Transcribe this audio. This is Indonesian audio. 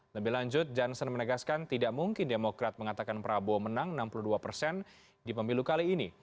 lebih lanjut johnson menegaskan tidak mungkin demokrat mengatakan prabowo menang enam puluh dua persen di pemilu kali ini